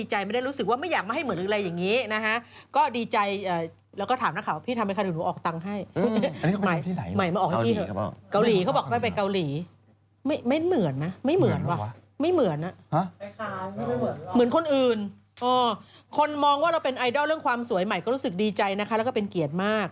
ใหม่อ่านแล้วใหม่ดีใจมาก